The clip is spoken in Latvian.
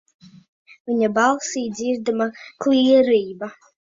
Viņa balsī dzirdama klīrība.